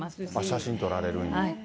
写真撮られるんだ。